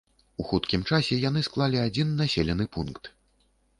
У хуткім часе яны склалі адзін населены пункт.